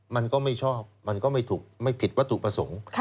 มันก็ไม่ชอบมันก็ไม่ถูกไม่ผิดวัตถุประสงค์